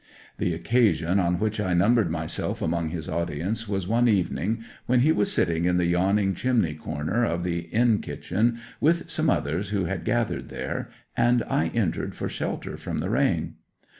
The occasion on which I numbered myself among his audience was one evening when he was sitting in the yawning chimney corner of the inn kitchen, with some others who had gathered there, and I entered for shelter from the rain.